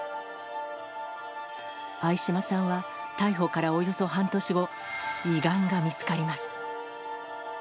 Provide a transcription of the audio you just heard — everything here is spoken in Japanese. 相嶋さんは逮捕からおよそ半年後、胃がんが見つかります。